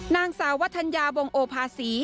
นางสาววัฒนยาวงโอภาษี